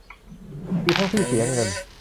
มีทั้งที่เสียเงิน